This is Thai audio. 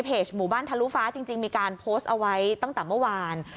หมู่บ้านทะลุฟ้าจริงมีการโพสต์เอาไว้ตั้งแต่เมื่อวาน